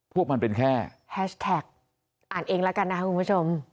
พวกมันเป็นแค่แฮชแท็กอ่านเองแล้วกันนะครับคุณผู้ชม